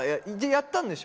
やったんでしょ。